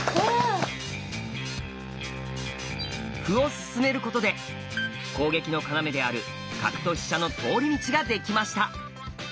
歩を進めることで攻撃の要である角と飛車の通り道ができました。